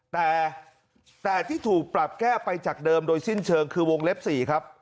แต่ที่ถูกปรับแก้ไปจากเดิมโดยสิ้นเชิงคือวงเล็บ๔ครับ